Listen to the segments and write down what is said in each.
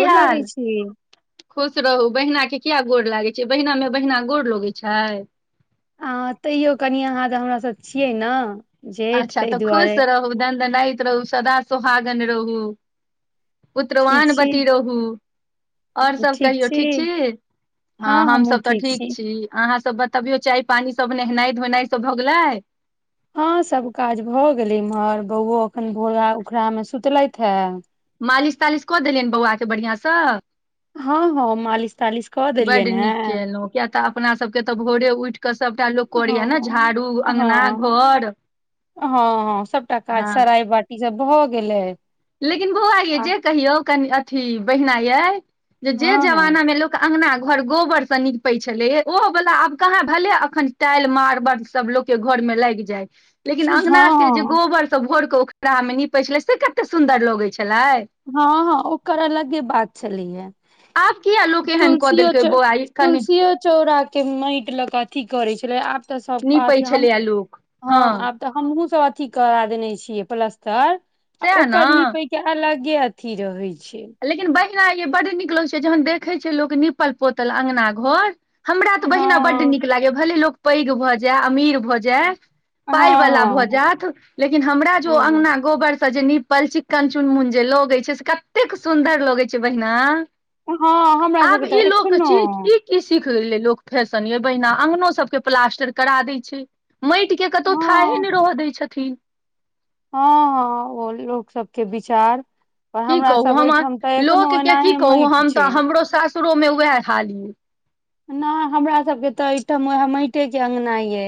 क लागै हाल छी खुश रहू बहिना के किया गोर लागे छै बहिना में बहना गोर लगे छै आं तैयो कनि अहाँ हमरास छियै ने जेठ अच्छा ताहि तऽ खुश दुआरे रहू दन दनाइत रहू सदा सुोहागन रहू ठीक उत्रवान छी वति रहु ओर सब कहियौ ठीक छी हँ हमसभ तऽ ठीक छी अहाँ सब तबियो चाय पानी सब नहेनाइ धोेनाइ सब भऽ गेलै हँ सब काज भऽ गेलै इम्हर बौओ अखन भोरा उखड़ा में सुतलथि हे मालिश तालिश कऽ देलियनि बौआके बढ़िआँस हँ हँ मालिश तालिश कऽ बड देलियनि हे नीक केलहुँ किया तऽ अपना सबके तऽ भोरे उइठ कऽ सबटा लोको करैया ने हँ झाड़ू अङगना हँ घर हँ हँ सबटा काज हँ सराइ बाटी सब भऽ गेलै लेकिन बौआ यइ आ जे कहियौ कनि अथी बहिना ये जे जे हँ हँ जमाना में लोक अंगना घर गोबर से नीप पै छले ओहो वला आब कहाँ भे अखन टाइल मारबर सब के घर में लागि जाइ लेकिन हँ अङंगना के जे हँ गोबर सब भोर के उखड़ा में निीपे छले से कते सुंन्दर लगे छलै हँ हँ ओकर अलगे बात छलैये आब किया लोक एहन कऽ तुलसीओ देलकै च बौआ कनि तुलसीओ चौरा के मइट लऽ कऽ अथी करै छलै आब तऽ नीपै सबथ छलैये लोक हँ आब तऽ हमहूँ सब अथी करा देने छियै प्लस्तर आ सएह ओकर न नीपे के अलग के अथी रहै छै लेकिन बहिना यै बड नीक लग छै जहन देखे छै लोक न निपल पोतल अंगना घर हमरा तऽ बहिना बड्ड हँ नीक लागैए भले लोक पैघ भऽ जा अमीर भऽ जाए हँ पाइवला भऽ हँ जाथ लेकिन हमरा जे हँ अङ्गना गोबर से जे निीपल चिक्कन चुनमुन जे लगे छै से क एतेक सुन्दर लगै छै बहिना हँ हमरा सबके आब ई तऽ लोक एखनो छी ई सिख गेले लोक फैशन ये बहिना अंगनो सब के प्लास्टर करा देय छै। माटिके कतहु थाहे हँ नहिं रहय दैत छथिन हँ हँ ओ लोक सबके विचार पर की हमरा कहू सब हम आ एहिठाम तऽ एखनो लोकके की एनाहे कहू माटि हम छै तऽ हमरो सासुरोमे उएह हाल य नय हमरा सबके तऽ ठाम व माटे के अंगगना ये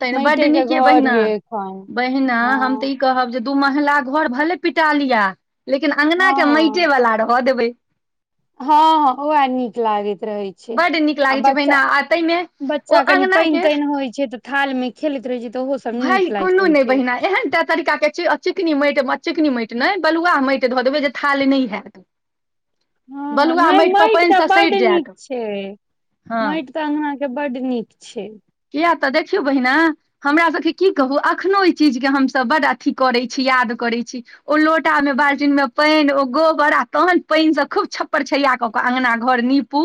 तय बड माइटे के नीक ये घर बहिना एखन बहिना हम तऽ हँ ई कहब जे दू महला घर भले पिटा लिया लेकिन अङंगना हँ के माटे हँ वला रह देबै हँ हँ ओ नीक लागैत रहै छै बड नीक आ लागैत छै बच्चा बहिना आ ताहि में बच्चा कनि पानि तानि होइ छै तऽ थाल में खेलै रहै छै तऽ ओहो सब भाय नीक लागैत कोनो रहै नहि छै बहिना एहन टा तरीका के चिकनी माटि चिकनी माटि नहि बलुआ माटि धऽ देबै जे थाल नहि हयत हँ नहि पर माट पानि तऽ से बड्ड सड़ि नीक जायत छ से हँ माटि तऽ अंगना के बड्ड नीक छ किया तऽ देखियौ बहिना हमरासके की कहू एखनोहु ओहि चीजके हमसभ बड अ अथी करै छी याद करै छ ओ लोटा में बाल्टिन में पानि ओ गोबर आ तहन पानि से खूब छप्पर छैया कऽ के अङंगगना घर नीप पू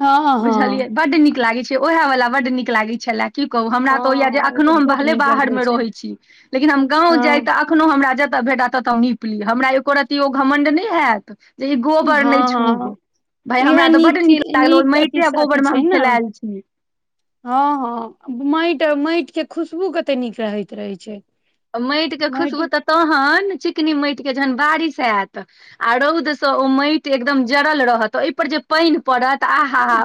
हँ हँ बुझलियै बड नीक लागै छै ओएह वला बड नीक लागै छलै की कहू हमरा तो ओ या जे हँ तऽ अखनो हम बहुत भहले नीक लागैत बाहर मे छै रहै छी लेकिन हम गाँव जाय हँ त कखनो हमरा जतय भेटा ततहु नीप ली हमरा एको रती ओ घमण्ड नहि होयत जे ई गोबर हँ नइ हँ छूब भाय इएह हमरा तऽ बड नीक चीज तल अथी माटे आ से गोबर अथी में छै हम ने खेलायल छी हँ हँ माटि माटि के खुशबू कते नीक रहै रहै छै माटिके खुशबू माटि तऽ तहन चिकनी माटिके जहन बारिश आयत आ रौदस ओ माटि एकदम जड़ल रहत ओहिपर जे पानि पड़त आ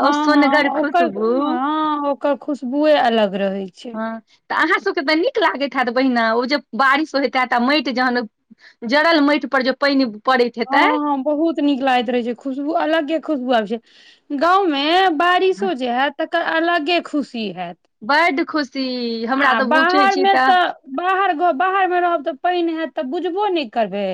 हँ हँ ओकर हँ ओकर खुशबुए अलग रहय छै हँ तऽ अहाँसबके तऽ नीक लागैत हत बहिने ओ जे बारिश होइतत हत आ माटि जहन जड़ल माटि पर जे पनि पड़ैत हँ हेतै हँ बहुत नीक लागै रहे छै खुशबू अलग के खुशबू आबै छै गाँंवं बारिशो जे हैत तकर अलगे खुशी हयत बड खुशी हमरा तऽ पूछै छी तऽ बाहर घ बाहर में रहब तऽ पानि हयत तऽ बुझबो नहि करबै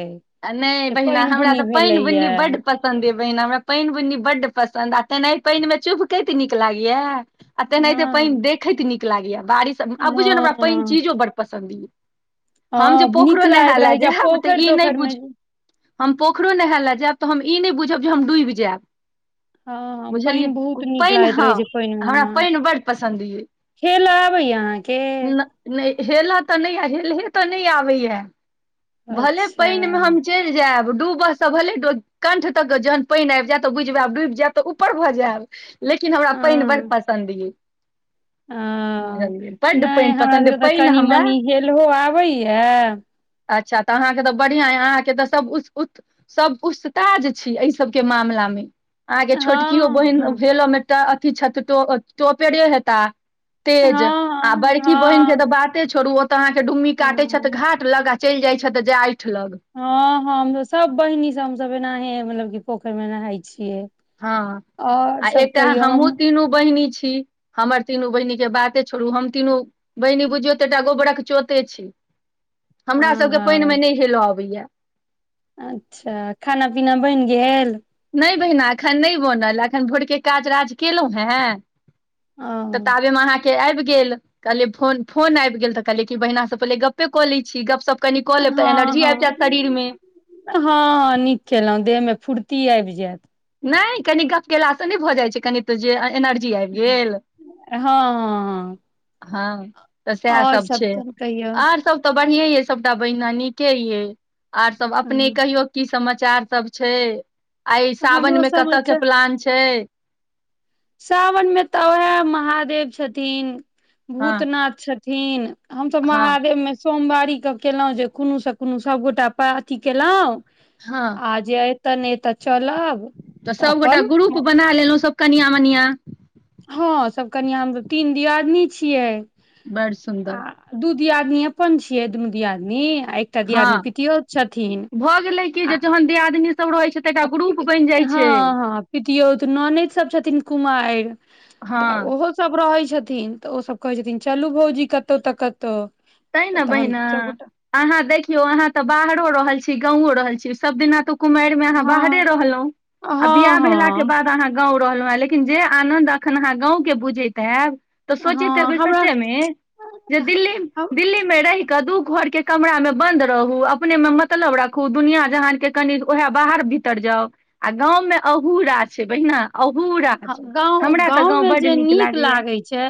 आ नहि जे बहिना पानि हमरा बुनी तऽ पनि भेलैया बुन्नी बड पस सन्दे बहिन हमरा पानि बुन्नी बड्ड पसन्द आ तेना पिमे चुभ कैत नीक लागैया आ तेनाहिते हँ पनि देखैत नीक लागैया बारिश आब बुझियौ ने हमरा पानि हँ चीजो बड पसंन्द यए हम जे हँ नीक पोखरो लागैत नहाल रहै छै आ जैब तऽ पोखरि ई नहि तोखरि बुझ मे हम पोखरि नहायए लए जायब तऽ हम ई नहि बुझब जे हम डूबि जायब हँ हँ पानि बुझलियै बहुत नीक पनि लागैत हँ रहै छै पानि मे हमरा हँ पानि बड्ड पसन्द यए खेल आबै अहाँके नहि हेलऽ तऽ न नहि हेले तऽ नहि आबे या भले अच्छा पानि में चलि जायब डूबऽ से भेले कंठ तक के जह पानि आबि जायत त बुझबय आ डबि जायब तऽ ऊपर भऽ जायब लेकिन हमरा पानि बड पसन्द य ओ नहि हमरा पसन्द अइ, सबके तऽ पानि कनी हमरा मनी हेलहो आबैएा अच्छा तऽ अहाँके त ब बढ़िया य अहाँके तऽ सब उ उत सब उसताज छी एहि सबके मामला में अहाँके छोटकियो हँ बहिन हँ भेलेलो में तऽ अथी छो टोपेरे हेता तेज हँ आ बड़की बहिनके हँ तऽ बाते छोड़ू ओ तऽ अहाँके डुम्मी काटै छथि घाट लगा चलि जाइ छ त जाय ठ लग हँ हँ हम सब बहिनी सब हमस एनाह मतलब क पोखरि मे नहााय छियै हँ और आ सब एकटा कहियौ हमहुँ हम तीनू बहिनी छी हमर तीनू बहिनी के बाते छोड़ू हम तीनू बहिनी बुझियो त एकटा गोबरक चोते छी हमरा हँ सबके पानिमे हँ नहि हेलय अबैया अच्छा खाना पीना बनि गेल नहि बहिना एखन नइ बनल एखन भोरके काज राज केलहुँ हेँ ओ तऽ ताबे में अहाँ आ फन आब तऽ बे कऽ कनि कऽ लेब तऽ हँ एनर्जी आबि हँ जायत शरीर में हँ नीक केलहुँ देह मेंफुर्ती आबि जायत नहि कनि गप केलासँ नइ भऽ जाइ छै कनि तू जे एनर्जी आइब गेल हँ हँ हँ हँ तऽ सएह और सब छै तहन कहियौ आर सब त बढ़े य सबटा बहिना नीके यै आर सब अपने हँ कहियो की समाचार सब छै आइ सावन हमरो में कतय के समाचार प्लान छै सावन में तऽ उएह महादेव छथिन हँ भूतनाथ छथिन हम तऽ हँ महादेव में सोमवारी के केलहुँ जे कोनो से कोनो सभगोटा अथी केलहुँ हँ आज अ त ने तऽ चलाब तऽ सबगोटा ग्रुप बना लेलहुँ सब कनिया मनििया हँ सब कनिया हम तीन दियादनी छियै बड़ आ सुन्दर दू दियादिनी अपन छियै दुनू दियादिनी आ एकटा दियादिनी पितियौत छथिन भैलै की जे जहन देह आदनी सब रह छै तऽ एकटा आ ग्रुप बनि जाइ छै हँ हँ पितियो तऽ ननैद सब छथिन कुमारि तऽ हँ ओहो सब रहै छथिन तऽ ओसभ कहै छथिन चलू भौजी कतहु तऽ कतहु तैं तऽ ने तहन बहिना सबगोटा अहाँ देखियौ अहाँ तऽ बाहरो रहल छी गाँवो रहल छी सब दिना तऽ कुमारि में आहाँ बाहरे हँ रहलौ आ हँ वियाह भेला के हँ बाद गाँव रहलहुँ हेँ लेकिन जे आनंन्द अखन अहाँ गाँव के बुझैत आयब तऽ सोचे ते हँ भी हमरा सच्चे में जे दिल्ली दिल्ली में रहि क दू घर के कमरा में बंन्द रहू अपने में मतलब राखु दुनिया जहान के कनि उएह बाहर भीतर जाउ आ गाँव में अहूरा छै बहिना अहूरा हँ छै गाँव हमरा तऽ गाँव में बड्ड जे नीक लागैया लागैत छै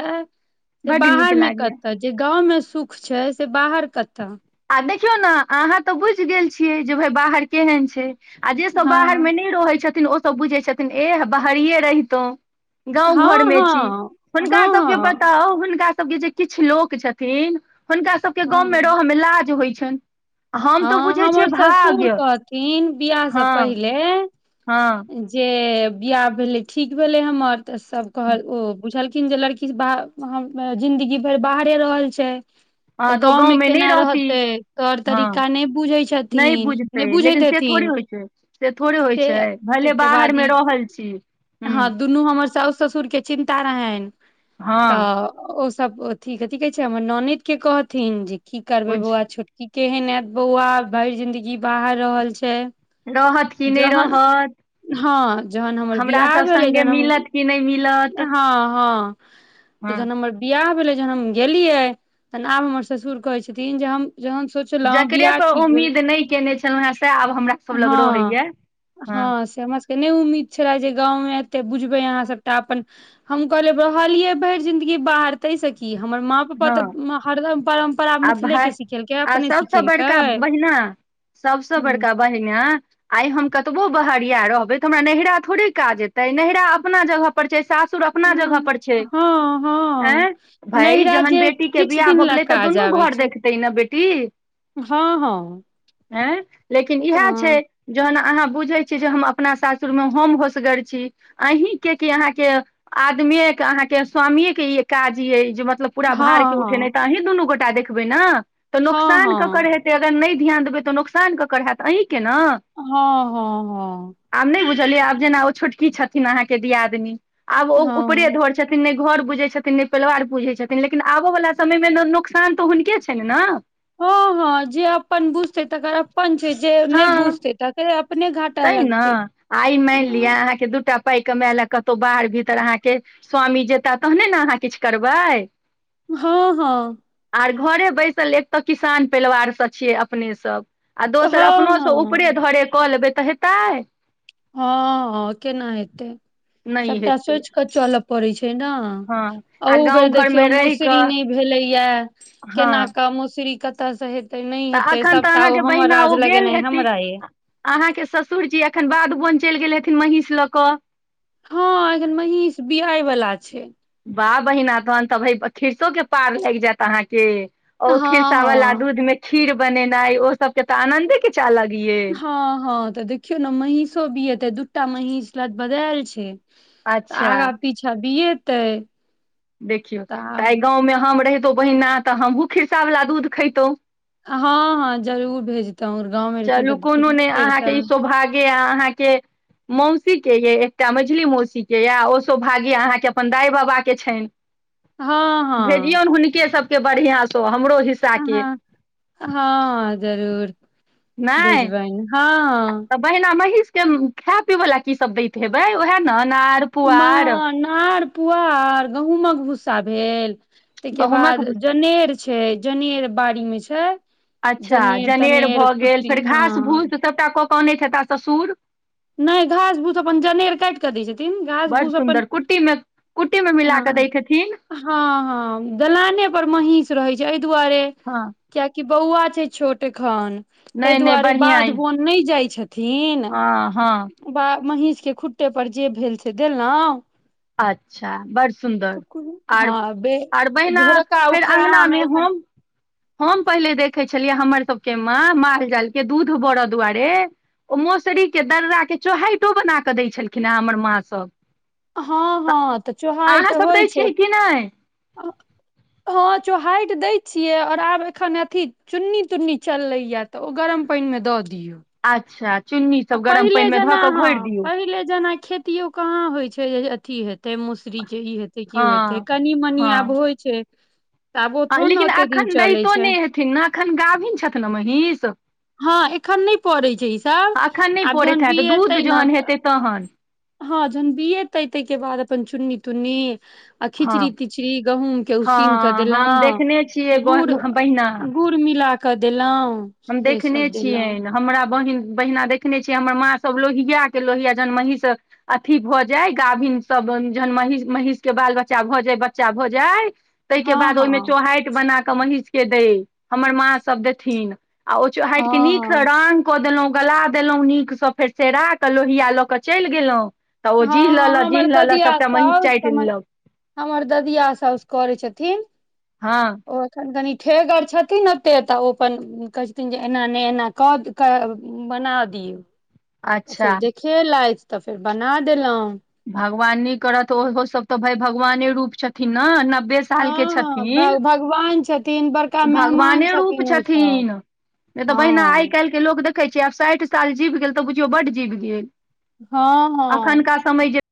से बड्ड नीक बाहर में लागैया कतऽ जे गाँवमे सुख छै से बाहर कतऽ आ देखियौ ने अहाँ तऽ बुझि गेल छियै जे भाय बाहर केहन छै आ जेसभ हँ बाहर में नहि रहै छथिन ओसभ बुझैत छथिन एह बाहरिये रहितहु गाँव घर हँ में छी हँ हँ हुनका हँ सबके बताउ हुनका सबके जे किछ लोक छथिन हुनका सभके हँ गाँमे हँ रहय में लाज होइ छनि हम तऽ हँ बुझै छियै हमर ससुर भाग्य कहथिन बियाह से हँ पहिले हँ जे बियाह भेलै ठीक भेलै हमर तऽ सब कहल ओ बुझलखिन जे लड़की वहाँ जिंन्दगी भइर बाहरे रहल छै तऽ हँ तो गाँंव गाँवमे में नहि केना रहती रहतै तौर हँ तरीका नहि बुझै नहि छथिन नहि बुझतै बुझैत लेकिन से थोड़े हेथिन होइ छै से थोड़े होइ से छै भले ताहिके बाहर बाद में ई रहल छी हूँ हँ दुनू हमर साउसु ससुर के चिन्ता रहनि हँ तऽ ओसभ अथी कथी कहै छै हमर ननैद के कहथिन जे की करबै बुझ बौआ छोट क केहन एयत बौआ भरि जिंदगी बाहर रहल छै रहत कि नहि जहन रहत हँ जहन हमर हमरा बियाह सब भेलै संगे तहन हम मिलत कि नहि मिलत हँ हँ तऽ हँ जना बियाह भेलै जहन हम गेलियै तहन आब हमर ससुर कहे छथिन जे हम जहन सोच जकरे पर उम्मीद नहि केने छलहुं हें सह आब हमरा सब लग हँ रहैय हँ से हमर सबके नहि उम्मीद छलए जे गाँव में एते बुझबै अहाँ सभटा अपन हम कहलेब रहलियै भरि जिंदगी बाहर तै सकी कि हमर माँ पप्पा हँ तऽ हरदम परम्परा आ मिथिलेके सिखेलकै अपने सिखेलकै नय सबसँ हँ बड़का बहिन आइ हम कतबो बहरिया रहबै तऽ हमरा नरा थोड़े काज जे एतै नहरा अपना जगह परर छै सासुर अपना जगह पर छै हँ हँ भ नैहरा जहन जे बेटी के किछु बियाह दिन भऽ लए गेलै तऽ काज दुनू आबै घर छै देखतै ने बेटी हँ हँ हँ लेकिन तऽ इएह छै जन अहाँ बुझे छियै जे हम अपना सासुर में हम होसगर छी अहीं के क अहाँके आदमी के अहाँके स्वामी के ई काज ये जे मतलब पूरा हँ भार के उठेनाइ हँ तऽ अही दुनू गोटा देखबै ने तऽ हँ नोकसान हँ ककर हेतै अगर नहि ध्यान देबै तऽ नोकसान कऽकर हैत अहीँके ना हँ हँ हँ आब नय बुझलियै आब जेना ओ छोटकी छथिन अहाँके दियादनी आब हँ ओऊपरे हँ धर छथिन नय घर बुझै छथिन नय परिवार बुझै छथिन लेकिन आबय वला समय मे ने नोकसान तऽ हुनके छ ने हँ हँ जे अपन बुझ तै तकर अपन छै जे नहि बुझते तकर अपने घाट तैं ने आ ई मानि लिअ अहाँके दूटा पाइ के माय ल कतहु बाहर भीतर अहाँके स्वामी जेता तहने ने अहाँ किछु करबै हँ हँ आर घरे बैसल एक तऽ किसान परिवारसँ छियै अपने सब आ दोसर अपनोसँ ऊपरे हँ धरे कऽ लेबै तऽ हेतै हँ केना हेतै नहि सबटा हेतै सोचि कऽ चलय पड़ैत छै ने हँ आ अहू बेर गाँव देखियौ घरमे रहि मोसरी कऽ नहि भेले या हँ केना के मसुररी कतय से हे ते नहि तऽ हेतै एखन तऽ सबटा ओ अहाँके हमर बहिना राज ओ गेल लगेना हेती हमरा ये अहाँके ससुर जी अखन बाध बन चलि गेल हेथिन महीस लऽ कऽ हँ एखन महींष बिआय वला छै बा बहिना तहन तऽ भ खीरसो के पार लाइग जायत अहाँके ओ हँ खीरसा वला आ हँ दूध में खीर बनेनाई ओ सब के तऽ आनंदे कीछ अलग यै हँ हँ तऽ देखियौ ने महींषो भी हते दूटा महींष ल बदायल छै तऽ अच्छा आगा पीछा बीएतै देखियौ तऽ आइ गाँव में हम रहितहु बहिना तऽ हमहूँ खिरसावला दूध खैतहुँ हँ हँ जरूर भेजतर गाँंव में रत तऽ भेजबे करते के अहाँ के मौसीके यइ एकटा मझली मौसीके यऽ ओ सौभाग्य अहाँके अपन दाई बाबाके छनि हँ हँ भेजियौन हुनके सबके बढ़िआसँ हमरो हिस हँहँ जरूर नहि भेजबै ह तऽ बहिना महीषके खााय पिला की सब दैत हेबै ओएह ने अनार पुआर माँ नार पुआर गहूँमक भूस्सा भेल ताहिके गहुँमक बाद जनेर छै जनेर बाड़ी में छै अच्छा जनेर तनेर भऽ गेल कुट्टी फेर घास हँ भूस सभटा कऽ केऽ अनै छथि ससुर नहि घास भूस अपन जनेर काटि कऽ दै छथिन घास बड़ भूस अपन सुन्दर कुट्टी मे कुट्टी में मिल क हँ दैैतथिन हँ हँ दलाने पर महींस रहै छै एहि दुआरे हँ कयाकि बौआ छै छोट एखन तहि नहि नहि दुआरे बढ़िआँ बाध अइ बन नहि जाय छथिन हँ हँ महींष के खुट्टे पर जे भेल से देलहुँ अच्छा बड़ सुन्दर आर हँ बे आर बहिना भोरका फेर उखराहा अङ्गना मे में हम हम पहिले देखै छलियै हमर सबके माँ माल जाल के दूध बरऽ दुआरे ओ मोसरीके दर्राके चोहाइटो बनाकऽ दै छलखिन हेँ हमर माँसब हँ हँ तऽ चुहाइ तऽ सब दै होइ छै छियै कि नहि हँ चोहाट दय छिये और आब एखन अथी चुन्नी तुन्नी चललै य तऽ ओ गरम पानि में दऽ दियौ अच्छा चुन्नी आ सब गरम पहिले पानि मे धऽ जेना कऽ हँ घोरि दियौ पहिले जेना खेति कहाँ होइत छै जे अथी हेतै मुस स्त्री के ई हेते हँ कओ हेते कनि मनी आब होइ छै तऽ आब ओ हँ थो ने लेकिन ओते दिन एखन चलै दैतो छै नहि हेथिन ने एखन गाभिन छथि ने महीष हँ एखन नहि पड़ै छै इस तखन नय पड़ैत हेतऽ दूध जहन हेतै तहन हँ झन भी एतै तैहिके बाद अपन चुन्नी तुन्नी आ हँ खिचड़ी तिचड़ी गहूंम के हँ उसीन के देलो हम देखने छियै गुड़ बहिना गुड़ की मिला कऽ देलहुँं हम देखने छियैना हमरा बहिन बहिना देखने छियै हमर माँ सब लोहियाके लोहिया जनमहीसँ अथी भऽ जाय गाभिन सब जहन मही महीष के बाल बच्चा भऽ जाय बच्चा भऽ जाय तहिके हँ बाद ओहिमे हँ चोहाटि बना कऽ महीँषके दै हमर माँ सभ देथिन आ ओ हँ चोहाइटो के नीक स हँ रंग कऽ देलहुँ गला देलहुँ नीकसँ फेर सेरा क लोहिया लऽ क चैल गेलहुँ तऽ ओ जीह हँ हँ लऽह हमर जीह लऽह ददिया सबटा महीष साउस चाटि हमर लेलक हमर ददिया साउस करै छथिन हँ ओ एखन कनि ठेहगर आर छथिन ओते तऽ ओ अपन कहै छथिन जे एना नहि एना कऽ क बना दिय तऽ फेर अच्छा देखेलथि तऽ फेर बना देलहुँ भगवान निक करत ओहो सब तऽ भाय भगवाने रूप छथिन न नब्बे साल के हँ छथिन हँ भगवान छथिन बड़का मेहमान भगवाने रूप छथिन ओ सब छथिन नय तऽ बहिना आइ हँ काल लोक देखै छै आब साइठ साल जीब गेल तऽ बुझियौ बड जीब गेल हँ हँ समय जे